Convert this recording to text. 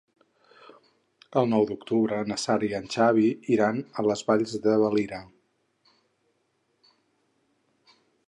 El nou d'octubre na Sara i en Xavi iran a les Valls de Valira.